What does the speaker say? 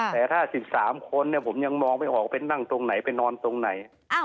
แต่ถ้า๑๓คนผมยังมองไม่ออกเป็นนั่งตรงไหนไปนอนตรงไหน